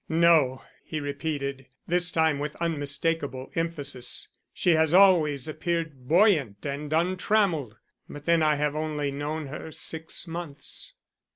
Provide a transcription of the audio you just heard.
"No," he repeated, this time with unmistakable emphasis, "she has always appeared buoyant and untrammeled. But then I have only known her six months."